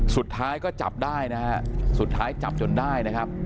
สุดท้ายก็จับได้นะฮะสุดท้ายจับจนได้นะครับ